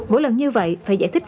mỗi lần như vậy phải giải thích